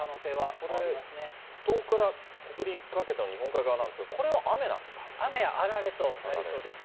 これ、東北から北陸にかけての日本海側なんですが、これは雨雨やあられとなりそうです。